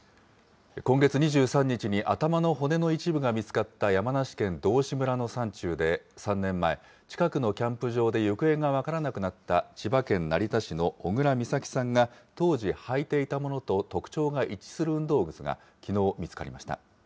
今月２３日に頭の骨の一部が見つかった山梨県道志村の山中で、３年前、近くのキャンプ場で行方が分からなくなった千葉県成田市の小倉美咲さんが当時履いていたものと特徴が一致する運動靴がきのう、見つかりました。